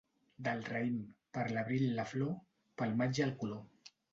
Del raïm, per l'abril la flor, pel maig el color.